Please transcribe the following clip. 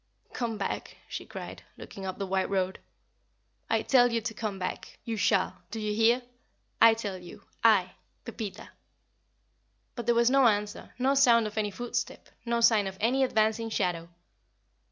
"Come back," she cried, looking up the white road. "I tell you to come back. You shall. Do you hear? I tell you I Pepita!" But there was no answer, no sound of any footstep, no sign of any advancing shadow.